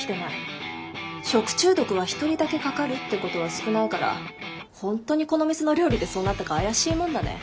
食中毒は１人だけかかるってことは少ないから本当にこの店の料理でそうなったか怪しいもんだね。